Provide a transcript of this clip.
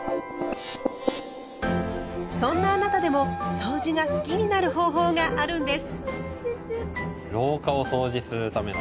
そんなあなたでもそうじが好きになる方法があるんです。